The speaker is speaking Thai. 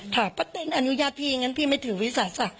ถ้าปะเตี๋นอนุญาตพี่งั้นพี่ไม่ถือวิศัทธิ์ส่ะ